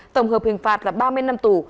tổng hợp hình phạt là ba mươi năm tù